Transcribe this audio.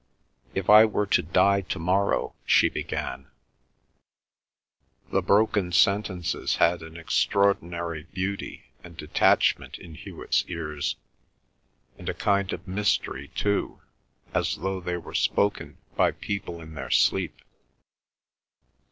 "If I were to die to morrow ..." she began. The broken sentences had an extraordinary beauty and detachment in Hewet's ears, and a kind of mystery too, as though they were spoken by people in their sleep.